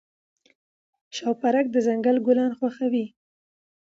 شوپرک د ځنګل ګلان خوښوي.